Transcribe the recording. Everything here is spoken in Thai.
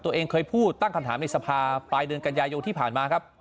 ตัวเองเคยพูดตั้งคำถามในสภาปลายเดือนกันยายนที่ผ่านมาครับ